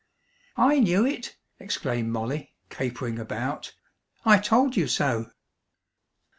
"I knew it!" exclaimed Molly, capering about. "I told you so."